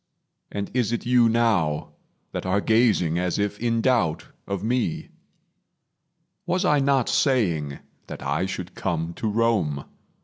And is it you now that are gazing As if in doubt of me? Was I not saying That I should come to Rome?